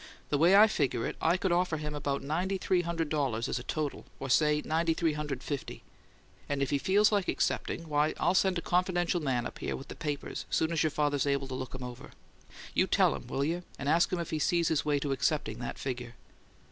The way I figure it, I could offer him about ninety three hundred dollars as a total or say ninety three hundred and fifty and if he feels like accepting, why, I'll send a confidential man up here with the papers soon's your father's able to look 'em over. You tell him, will you, and ask him if he sees his way to accepting that figure?"